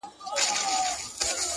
یاره وتله که چيري د خدای خپل سوې,